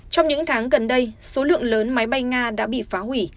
trong những tháng gần đây số lượng lớn máy bay nga đã bị phá hủy